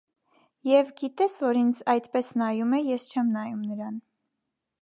Եվ, գիտե՞ս, որ ինձ այդպես նայում է, ես չեմ նայում նրան: